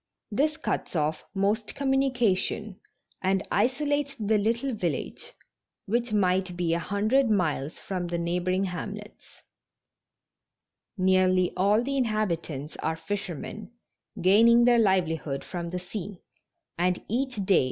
This cuts off most communication and isolates the little village, which might be a hundred miles from the neigh boring hamlets. Nearly all the inhabitants are fisher men, gaining their livelihood from the sea, and each day ( 198 ) THE MAKES AND THE FLOCHES.